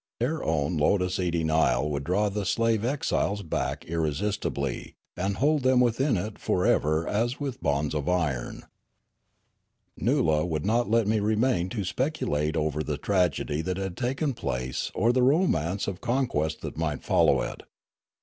Their own lotos eating isle would draw the slave exiles back irresistibly, and hold them within it for ever as with bonds of iron. Noola would not let me remain to speculate over the tragedy that had taken place or the romance of conquest that might follow it.